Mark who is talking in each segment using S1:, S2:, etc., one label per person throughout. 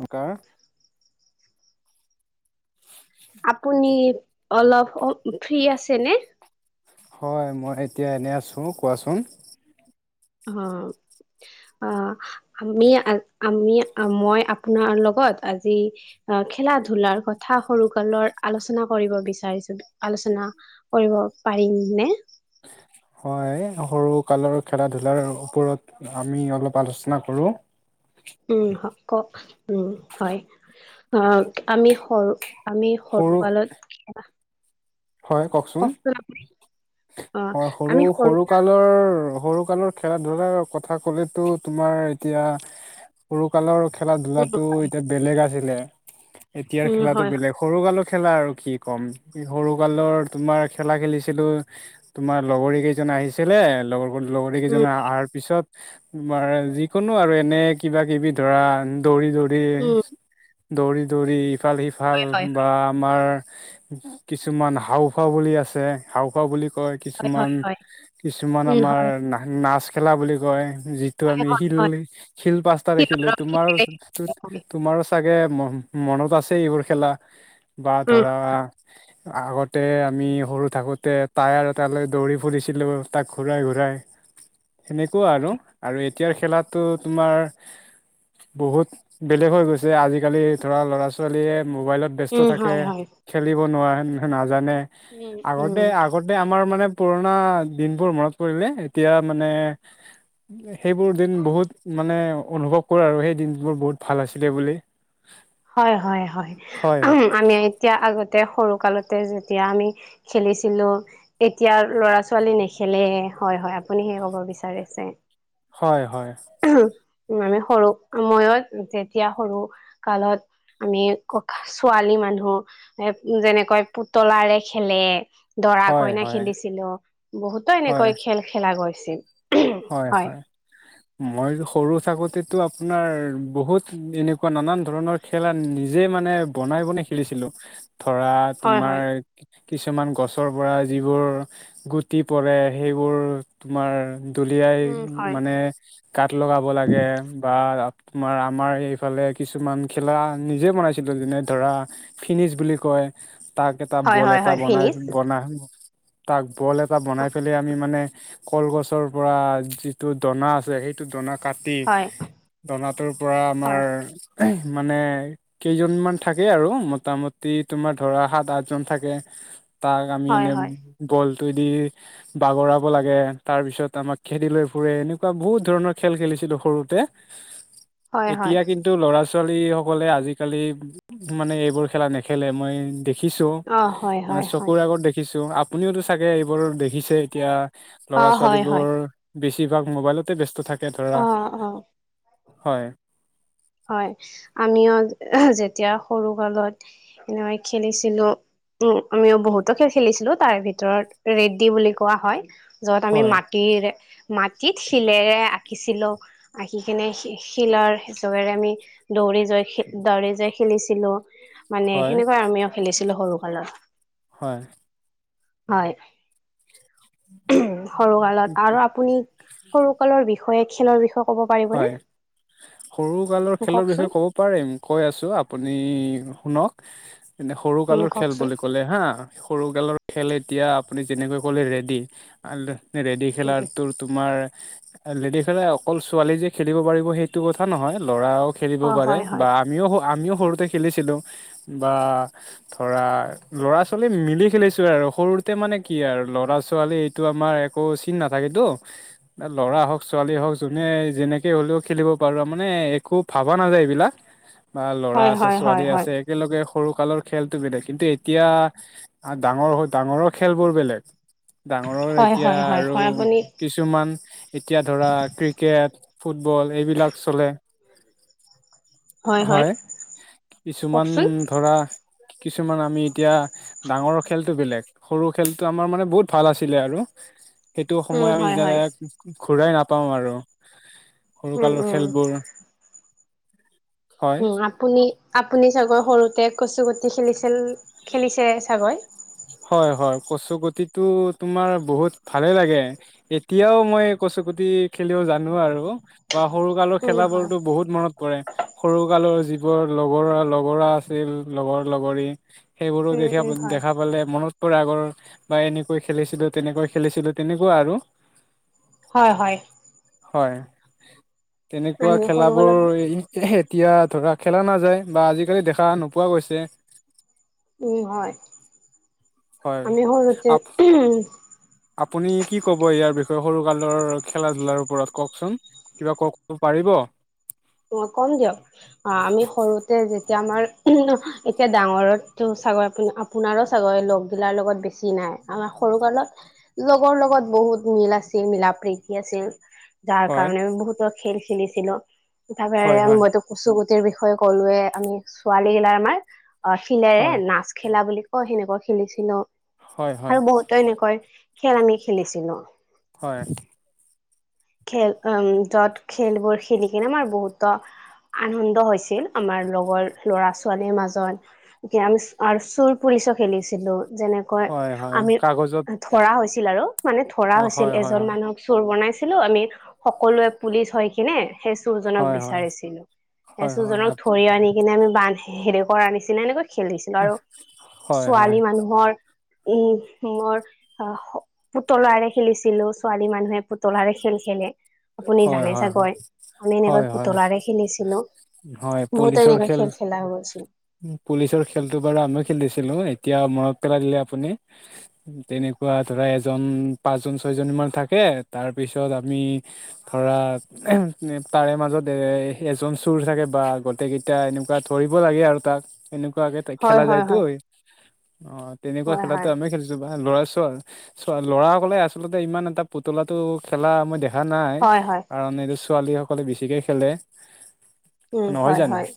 S1: উম, কাৰ।
S2: আপুনি অলপ অহ, ফ্ৰী আছে নে?
S1: হয়। মই এতিয়া এনেই আছোঁ কোৱাচোন।
S2: অহ। অহ, আমি আজি, আমি মই আপোনাৰ লগত আজি অহ, খেলা-ধুলাৰ কথা সৰু কালৰ আলোচনা কৰিব বিচাৰিছোঁ। আলোচনা কৰিব অহ, পাৰিম নে?
S1: হয়্ সৰু কালৰ খেলা-ধূলাৰ ওপৰত আমি অলপ আলোচনা কৰোঁ।
S2: উম কওঁ, ক উম হয়। অহ, আমি সৰু আমি
S1: সৰু
S2: সৰুকালত খেলা।
S1: হয় কওকচোন
S2: কওঁকচোন আপুনি? অ',
S1: হয়।
S2: আমি সৰু
S1: সৰু-সৰু কালৰ সৰু কালৰ খেলা-ধূলাৰ কথা ক'লেতো তোমাৰ এতিয়া, সৰুকালৰ
S2: উম,
S1: খেলা-ধূলাটো এতিয়া বেলেগ আছিলে। এতিয়াৰ
S2: উম,
S1: খেলাতো
S2: হয়, হয়,
S1: বেলেগ, সৰু কালত খেলা আৰু কি ক'ম। সৰু কালৰ তোমাৰ খেলা খেলিছিলোঁ। তোমাৰ লগৰী কেইজন আহিছিলে, লগৰ লগৰী
S2: উম,
S1: কেইজন অহাৰ পিছত তোমাৰ যিকোনো আৰু এনেই কিবা-কিবি ধৰা দৌৰি-দৌৰি
S2: উম,
S1: দৌৰি-দৌৰি ইফাল-সিফাল
S2: হয়,
S1: বা আমাৰ কিছুমান হাওঁফাওঁ বুলি আছে, হাওঁফাওঁ বুলি কয়
S2: হয়,
S1: কিছুমান,
S2: হয়, হয়,
S1: কিছুমান
S2: উম,
S1: আমাৰ
S2: হয়,
S1: না-নাচ খেলা বুলি কয়। যিটো
S2: হয়,
S1: আমি শিল,
S2: হয়,
S1: শিল পাঁচটা দেখিলোঁ তোমাৰ
S2: হয়,
S1: তোমাৰো চাগে মনত আছে এইবোৰ খেলা বা
S2: উম,
S1: ধৰা আগতে আমি সৰু থাকোতে। টায়াৰ এটালৈ দৌৰি ফুৰিছিলোঁ তাক ঘূৰাই ঘূৰাই। সেনেকুৱা আৰু। আৰু এতিয়াৰ খেলাটো তোমাৰ বহুত বেলেগ হৈ গৈছে, আজিকালি ধৰা ল'ৰা-ছোৱালীয়ে মোবাইলত ব্যস্ত
S2: উম,
S1: থাকে,
S2: হয়, হয়।
S1: খেলিব নোৱাৰে, নাজানে
S2: উম উম
S1: আগতে আগতে আমাৰ মানে পুৰণা দিনবোৰ মনত পৰিলে এতিয়া মানে সেইবোৰ দিন বহুত মানে অনুভৱ কৰোঁ আৰু সেই দিনবোৰ বহুত ভাল আছিলে বুলি।
S2: হয়, হয়, হয়। আমি এতিয়া আগতে সৰু কালত যেতিয়া আমি খেলিছিলো তেতিয়া ল'ৰা ছোৱালী নেখেলে হয় হয় আপুনি। [unintelligible] হ'ব বিচাৰিছে।
S1: হয় হয়।
S2: উম আমি সৰু সময়ত যেতিয়া সৰু কালত আমি ক ছোৱালী। মানুহ এ যেনেকৈ পুতলাৰে খেলে। দৰা
S1: হয়
S2: কইনা
S1: হয়
S2: খেলিছিলো বহুতো
S1: হয়
S2: এনেকৈ খেল খেলা গৈছিল।
S1: হয় হয় উম। মই সৰু থাকোঁতেটো আপোনাৰ বহুত এনেকুৱা নানান ধৰণৰ খেলা নিজে মানে। বনাই বনাই খেলিছিলো ধৰা
S2: হয়
S1: তোমাৰ।
S2: হয়
S1: কিছুমান গছৰ পৰা যিবোৰ গুটি পৰে সেইবোৰ তোমাৰ। দলিয়াই
S2: উম হয়
S1: মানে গাত লগাব লাগে বা। [unintelligible] তোমাৰ আমাৰ এইফালে কিছুমান খেলা নিজে বনাইছিলোঁ যেনে ধৰা ফিনিছ বুলি কয়। তাক এটা
S2: হয়
S1: বল
S2: হয়
S1: এটা
S2: হয়
S1: বনাই,
S2: ফিনিছ
S1: বনা তাক বল এটা বনাই
S2: হয়
S1: পেলে আমি মানে। কলগছৰ পৰা যিটো দনা আছে সেইটো দনাত। কাটি
S2: হয়
S1: দনাটোৰ পৰা আমাৰ।
S2: হয়
S1: মানে কেইজনমান থাকে আৰু মোটামুটি তোমাৰ ধৰা সাত আঠজন থাকে। তাক আমি
S2: হয়
S1: এনে
S2: হয়।
S1: বলটো দি বাগৰাব লাগে তাৰ পিছত। [unintelligible] আমাক খেদি লৈ ফুৰে এনেকুৱা বহুত ধৰণৰ খেল খেলিছিলো সৰুতে।
S2: হয় হয়
S1: এতিয়া কিন্তু ল'ৰা। ছোৱালী সকলে আজিকালি মানে এইবোৰ খেলা নেখেলে মই। দেখিছোঁ
S2: অ হয়
S1: মানে
S2: হয় হয়
S1: চকুৰ আগত দেখিছোঁ আপুনিওটো চাগে এইবোৰ দে খিছে এতিয়া
S2: অ
S1: ল'ৰা ছোৱালী
S2: হয় হয়
S1: বোৰ বেছিভাগ মোবাইলতে বস্ত। থাকে ধৰা
S2: অ অ
S1: হয়।
S2: হয় আমিও যেতিয়া সৰু কালত এনেকৈ খেলিছিলো। উম আমিও বহুতো খেল খেলিছিলো তাৰে ভিতৰত ৰেড্ডী বুলি কোৱা হয়। য'ত আমি
S1: হয়
S2: মাটিৰে। মাটিত শিলেৰে আঁকিছিলো আঁকি কিনে শি-শিলৰ। [unintelligible] আমি দৌৰি যাই [unintelligible] দৌৰি যাই খেলিছিলো মানে
S1: হয়
S2: সেনেকুৱা আমিও খেলিছিলো। [unintelligible] সৰু কালৰ।
S1: হয়।
S2: হয় সৰু কালত আৰু আপুনি। সৰু কালৰ বিষয়ে খেলৰ বিষয়ে ক'ব
S1: হয়
S2: পাৰিবনে।
S1: সৰু কালৰ খেলৰ
S2: কওকচোন
S1: বিষয়ে ক'ব পাৰিম কৈ আছোঁ আপুনি শুনক। এনে সৰু
S2: উম
S1: কালৰ খেল
S2: কওকচোন
S1: বুলি ক'লে হা। সৰুকালৰ খেল এতিয়া আপুনি যেনেকৈ ক'লে ৰেডি। [unintelligible] ৰেডি খেলাত তু-তোমাৰ ৰেডি খেলা অকল। [unintelligible] ছোৱালী যে খেলিব পাৰিব সেইটো কথা নহয় ল'ৰাও খেলিব
S2: অ
S1: পাৰে
S2: হয়
S1: বা
S2: হয়
S1: আমিও, আমিও। সৰুতে খেলিছিলো বা ধৰা ল'ৰা-ছোৱালী মিলি খেলিছোঁ আৰু সৰু। তে মানে কি আৰু ল'ৰা-ছোৱালী এইটো আমাৰ একো চিন নাথাকেতো ল'ৰা হওঁক ছোৱালী হওঁক যো মানে যেনেকে হ'লেও খেলিব পাৰোঁ মানে একো ভাবা নাযায় এইবিলাক। বা ল'ৰা
S2: হয়
S1: আছে
S2: হয়
S1: ছোৱালী
S2: হয় হয়
S1: আছে একেলগে। সৰু কালৰ খেলটো বেলেগ কিন্তু এতিয়া ডাঙৰ হৈ ডাঙৰৰ খেলবোৰ বেলেগ। ডাঙৰৰ
S2: হয়
S1: এতিয়া
S2: হয় হয়
S1: আৰু
S2: হয় আপুনি
S1: কিছুমান এতিয়া ধৰা। ক্ৰিকেট ফুটবল সেইবিলাক চলে। হয় কিছুমান
S2: কওকচোন
S1: ধৰা। কিছুমান আমি এতিয়া ডাঙৰৰ খেলটো বেলেগ সৰু খেলটো আমাৰ মানে বহুত ভাল আছিলে আৰু।
S2: [inaudible]
S1: সেইটো
S2: উম
S1: সময় আমি
S2: হয়
S1: যেনে
S2: হয়
S1: ঘূৰাই নাপাওঁ আৰু।
S2: উম
S1: সৰুকালৰ
S2: উম
S1: খেলবোৰ। হয়
S2: উম আপুনি, আপুনি চাগৈ সৰুতে। কচু গুটি খেলিছে খেলিছে চাগে
S1: হয় হয় কচু গুটি তোমাৰ বহুত ভালে লাগে এতিয়াও মই কচু গুটি খেলিব জানো আৰু বা সৰু কালৰ
S2: উম
S1: খেলা
S2: হয়
S1: বোৰতো বহুত মনত সৰু কালৰ যিবোৰ লগ লগৰা আছিল লগৰ লগৰী সেইবোৰো
S2: উম
S1: দেখি
S2: উম
S1: দে
S2: হয়
S1: দেখা পালে মনত পৰে আগৰ বা এনেকৈ খেলিছিলো তেনেকৈ খেলিছিলো তেনেকুৱা আৰু
S2: হয়, হয়।
S1: হয় তেনেকুৱা
S2: আমি সৰু কালত
S1: খেলাবোৰ এতিয়া ধৰা খেলা নাযায় বা আজিকালি দেখা নোপোৱা গৈছে
S2: উম হয়, আমি সৰুতে
S1: হয়
S2: উ
S1: আপুনি কি কব ইয়াৰ বিষয়ে সৰু কালৰ খেলা ধূলাৰ ওপৰত কওকচোন। কিবা ক পাৰিব।
S2: অ', কম দিয়ক অ', আমি সৰুতে যে এতিয়া আমাৰ এতিয়া ডাঙৰতো ছাগৈ আপ আপোনাৰো ছাগৈ লগগিলাৰ লগত বেছি নাই আমাৰ সৰু কালত লগৰ লগত বহুত মিল আছিল মিলা প্ৰিতি আছিল যাৰ
S1: হয়,
S2: কাৰণে বহুতো খেল খেলিছিলো তাৰ
S1: হয়,
S2: পৰা
S1: হয়,
S2: মতো কচু বিষয়ে ক'লোয়ে আমি ছোৱালী গিলাৰ আমাৰ অ', শিলেৰে
S1: হয়,
S2: নাচ খেলা বুলি অ', সেনেকৈ খেলিছিলো
S1: হয়, হয়,
S2: আৰু বহুতো এনেকৈ খেল আমি খেলিছিলো।
S1: হয়।
S2: খেল উম য'ত খেলবোৰ খেলি কিনে আমাৰ বহুতো আনন্দ হৈছিল আমাৰ লগৰ ল'ৰা ছোৱালীৰ মাজত এতিয়া আমি আৰু চুৰ পুলিচ খেলিছিলো যেনেকৈ
S1: হয়, হয়,
S2: আমি
S1: কাগজত
S2: ধৰা হৈছিল আৰু মানে ধৰা
S1: অ',
S2: হৈছিল
S1: হয়, হয়,
S2: এজন
S1: হয়,
S2: মানুহক চোৰ বনাইছিলো আমি সকলোৱে পুলিচ হয় কিনে সেইজনক
S1: হয়, হয়,
S2: বিচাৰিছিলো
S1: হয়, হয়,
S2: সেইচুৰজনক ধৰি আনি কিনে আমি বান্ধ হেৰি কৰা আ নিছিলিনা এনেকৈ খেলিছিলো আৰু
S1: হয়, হয়, হয়,
S2: ছোৱালী মানুহৰ এই শিংৰ অ', পুতলাৰে খেলিছিলো ছোৱালী মানুহে পু পুতলাৰে খেল খেলে আপুনি জানে
S1: হয়, হয়।
S2: চাগৈ আমি এনেকৈ
S1: হয়, হয়,
S2: পুতলাৰে খেলিছিলোঁ।
S1: হয়,
S2: বহত
S1: পুলিচৰ
S2: এনেক খেল খেলা হৈছিল।
S1: পুলিচৰ খেলতটো বাৰু আমিও খেলিছিলো এতিয়া মনত পেলাই দিলে আপুনি তেনেক ধৰা এজন পাঁচজন ছয়জনীমান থাকে তাৰপিছত আমি ধৰা তাৰে মাজত এ এজন চুৰ থাকে বা গোটেই কেইটা এনেকুৱা ধৰিব লাগে আৰু তাক এনেকুৱাকে
S2: হয়
S1: খেলা
S2: হয়
S1: যায়তো
S2: হয়
S1: অ', তেনেকুৱা
S2: হয়
S1: খেলাতো
S2: হয়
S1: আমি খেলিছো বা ল'ৰা চ ল'ৰা সকলে আচলতে ইমান এটা পুতলা টো খেলা মই দেখা দেখা নাই
S2: হয় হয়
S1: কাৰণ এইটো ছোৱালীসকলে বেছিকৈ খেলে
S2: উম,
S1: নহয়
S2: হয়,
S1: জানো
S2: হয়,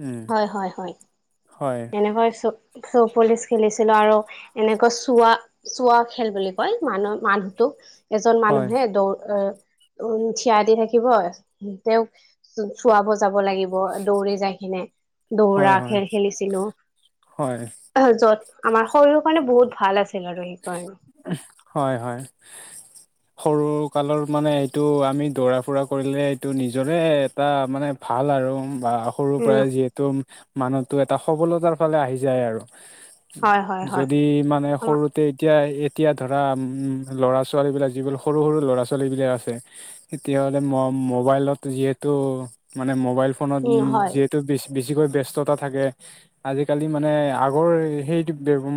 S1: উম
S2: হয়, হয়, হয়
S1: হয়
S2: এনেকৈ চব পুলিচ খেলিছিলো আৰু এনেকা চোৱা চোৱা খেল বুলি কয় মানুহ মানুহটোক এজন
S1: হয়
S2: মানুহে দৌ উ থিয়া দি থাকিব তেওঁক চুৱাব যাব লাগিব দৌৰি যাই কিনে দৌৰা
S1: হয় হয়
S2: খেল খেলিছিলো
S1: হয়
S2: য'ত আমাৰ শৰীৰৰ কাৰণে বহুত ভাল আছিল আৰু সেইকাৰণে
S1: হয়, হয়। সৰু কালৰ মানে এইটো আমি দৌৰা ফুৰা কৰিলে এইটো নিজৰে এটা মানে ভাল আৰু বা সৰুৰ
S2: উম
S1: পৰাই যিহেতু মানুহতো এটা সবলতাৰ ফালে আহি যায় আৰু
S2: হয় হয় হয়
S1: যদি মানে সৰু এয়া এতিয়া ধৰা উম ল'ৰা ছোৱালী বিলাক যিবোৰ সৰু সৰু ল'ৰা ছোৱালী বিলাক আছে এতিয়া মোবাইলত যিহেতু মানে মবাইল ফোনত উ
S2: উম হয়
S1: যিহেতু বেছি বেছিকৈ ব্যস্ততা থাকে আজিকালি মানে আগৰ সেইটো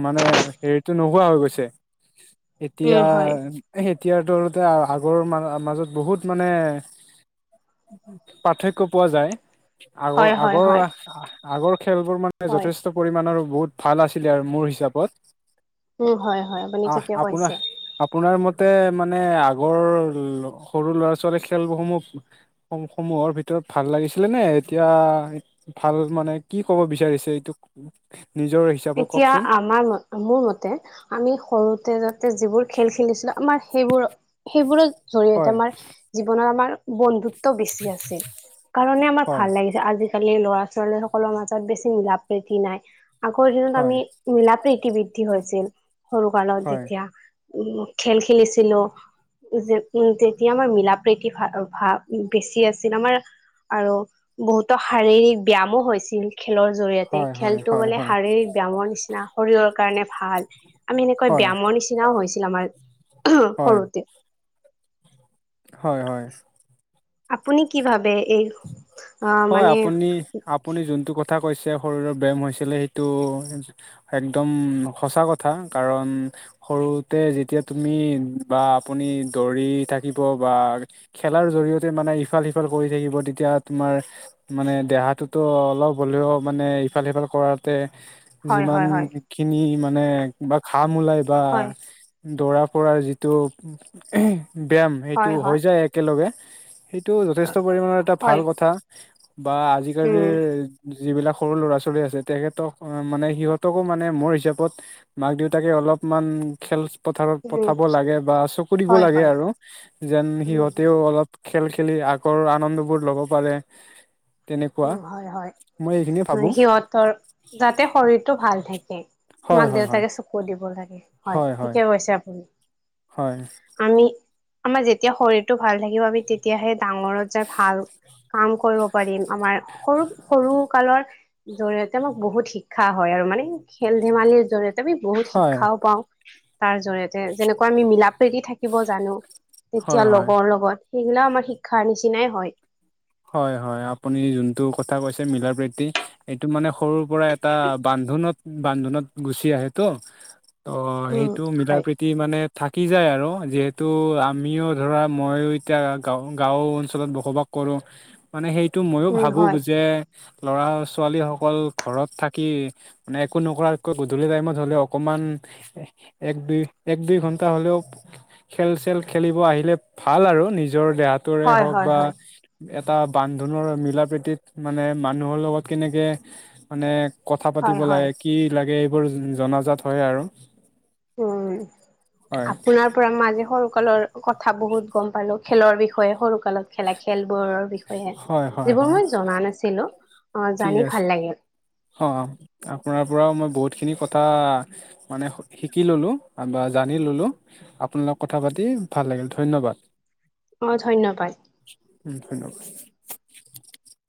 S1: মানে হেৰিতটো নহো পোৱা হৈ গৈছে এতিয়া
S2: উম হয়
S1: এতিয়াৰ তলতে আগৰ মাজত বহুত মানে পাৰ্থক্য পোৱা যায়। আগৰ
S2: হয় হয়
S1: আগৰ
S2: হয়
S1: আগৰ খেলবোৰ মানে
S2: হয়
S1: যথেষ্ট পৰিমানণৰ। বহুত ভাল আছিলে আৰু মোৰ হিচাপত।
S2: উম হয় হয় আপুনি
S1: আহ
S2: ঠিকে
S1: আপোনাৰ
S2: কৈছে
S1: আপোনাৰ মতে তে মানে আগৰ সৰু ল'ৰা ছোৱালী খেলসমূহ সমূহৰ ভিতৰত। ভাল লাগিছিলে নে এতিয়া ভাল মানে কি ক'ব বিচাৰিছে এইটো। নিজৰ হিচাপত
S2: এতিয়া
S1: কওকচোন
S2: আমাৰ ম মোৰ মতে আমি সৰুতে যাতে যিবোৰ খেল খেলিছিলো। আমাৰ সেইবোৰ সেইবোৰৰ জৰিয়তে
S1: হয়
S2: আমাৰ জীৱনৰত আমাৰ বন্ধুত্ব বেছি আছে, কাৰণে আমাৰ
S1: হয়
S2: ভাল লাগিছে আজিকালি। ল'ৰা ছোৱালী সকলৰ মাজত বেছি মিলা প্ৰীতি নাই আগৰ দিনত আমি
S1: হয়
S2: মিলা প্ৰীতি বৃদ্ধি হৈছিল সৰু কালত
S1: হয়
S2: যেতিয়া উ খেল খেলিছিলো। যে উ যেতিয়া আমাৰ মিলা প্ৰীতি ভাব বেছি আছিল আমাৰ। আৰু বহুতো শাৰীৰিক ব্যায়াম হৈছিল খেলৰ জৰিয়তে
S1: হয় হয়
S2: খেলতো
S1: হয় হয়
S2: বোলে। ব ব্যায়ামৰ নিচিনা শৰীৰৰ কাৰণে ভাল। আমি এনেকৈ
S1: হয় হয়
S2: ব্যায়ামৰ নিচিনাও হৈছিল আমাৰ। সৰুতে।
S1: হয়, হয়।
S2: আপুনি কি ভাবে এই। অ
S1: হয়,
S2: মানে
S1: আপুনি আপুনি যোনটো কথা কথা কৈছে শৰীৰৰ ব্যায়াম হৈছিলে সেইটো একদম সঁচা কথা কাৰণ। সৰুতে যেতিয়া তুমি বা আপুনি দৌৰি থাকিব বা খেলাৰ জৰিয়তে মানে ইফাল সিফাল কৰি থাকিব তেতিয়া তোমাৰ। মানে দেহাতোতো অলপ হ'লেও মানে ইফাল সিফাল কৰাতে।
S2: হয়
S1: যিমান
S2: হয় হয়
S1: খিনি মানে বা ঘাম ওলায় বা
S2: হয়
S1: দৌৰা কৰাৰ যিটো ব্যায়াম সেইটো
S2: হয়
S1: হৈ
S2: হয়
S1: যায় একেলগে। সেইটো যথেষ্ট পৰিমাণৰ এটা
S2: হয়
S1: ভাল কথা। বা আজিকালি।
S2: উম
S1: যিবিলাক সৰু ল'ৰা ছোৱালী আছে তেখেতক মানে সিহঁতকো মানে মোৰ হিচাপত মাক দেউতাকে অলপ। মান খেলচ। পথাৰত
S2: উম
S1: পঠাব লাগে বা চকু দিব
S2: হয়
S1: লাগে
S2: হয়
S1: আৰু যেন
S2: উম
S1: সিহঁতেও
S2: হয়
S1: অলপ। খেল খেলি আগৰ আনন্দ বোৰ ল'ব পাৰে। তেনেকুৱা
S2: উম, হয়, হয়।
S1: মই এইখিনিয়ে ভাবো
S2: সিহঁতৰ যাতে শৰীৰতটো ভাল থাকে
S1: হয়
S2: তোমাক
S1: হয় হয়
S2: দেউতাকে চকু দিব লাগে। হয় ঠিকে কৈছে আপুনি।
S1: হয়।
S2: আমি আমাৰ যেতিয়া শৰীৰটো ভাল থাকিব। আমি তেতিয়াহে ডাঙৰত যাই ভাল কাম কৰিব পাৰিম। আমাৰ সৰু সৰু। কালৰ জৰিয়তে মোক বহুত শিক্ষা হয় আৰু মানে খেল ধেমালিৰ জৰিয়তে। আমি বহুত
S1: হয়
S2: শিক্ষাও পাওঁ তাৰ জৰিয়তে যেনেকুৱা আমি মিলা প্ৰীতি থাকিব জানো।
S1: হয়
S2: তেতিয়া
S1: হয়
S2: লগৰ লগত সেইগিলা আমাৰ শিক্ষাৰ নিচিনাই হয়।
S1: হয়, হয়, আপুনি যোনটো কথা কৈছে, মিল প্ৰীতি এইটো মানে সৰুৰ পৰা এটা বান বান্ধোনত বান্ধোনত গুচি আহটো
S2: উম
S1: সেইটো মিল
S2: হয়
S1: প্ৰীতি মানে থাক কি যায় আৰু যিহেতু আমিও ধৰা মইয়ো এতিয়া গাঁ গাঁও অঞ্চলত বসবাস কৰোঁ। মানে সেইটো ময়ো
S2: উম
S1: ভাবো
S2: হয়
S1: যে। ল'ৰা ছোৱালীসকল ঘৰত থাকি মানে একো নকৰাককৈ গধূলি টাইমত হ'লে অকণমান। এক দুই এক দুই ঘন্টা হ'লেও খেল চেল খেলিব আহিলে ভাল আৰু নিজৰ। নিজৰ দেহাটোৰে
S2: হয়
S1: হওঁক
S2: হয়
S1: বা।
S2: হয়
S1: এটা বান্ধোনৰ মিলা প্ৰীতিত মানে মানুহৰ লগত কেনেকৈ মানে। কথা
S2: হয়
S1: পাতিব
S2: হয়
S1: লাগে, কি লাগে এইবোৰ জনাজাত হয়, আৰু
S2: উম,
S1: হয়
S2: আপোনাৰ পৰা মই সন সকলৰ কথা বহুত গ'ম পালো খেলৰ বিষয়ে সৰু কালত। খেলা খেল বোৰৰ বিষয়ে,
S1: হয় হয়
S2: যিবোৰ
S1: হয়
S2: মই জনা নাছিলো। অ
S1: ঠিক
S2: জানি
S1: আছে,
S2: ভাল লাগিল
S1: অ' আপোনাৰ পৰাও মই বহুতখিনি কথা, মানে শিকি ল'লোঁ বা জানি ল'লোঁ আপোনালোকত কথা পাতি দেই ভাল লাগিল, ধন্যবাদ।
S2: অ' ধন্যবাদ।
S1: উম ধন্যবাদ।